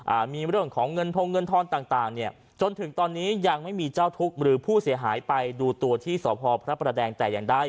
อ่ามีเรื่องของเงินทงเงินทอนต่างต่างเนี่ยจนถึงตอนนี้ยังไม่มีเจ้าทุกข์หรือผู้เสียหายไปดูตัวที่สพพระประแดงแต่อย่างใด